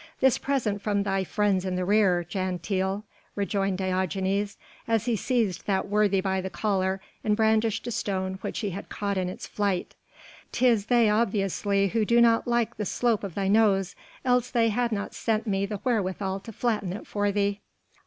"This present from thy friends in the rear, Jan Tiele," rejoined Diogenes, as he seized that worthy by the collar and brandished a stone which he had caught in its flight. "'Tis they obviously who do not like the shape of thy nose, else they had not sent me the wherewithal to flatten it for thee."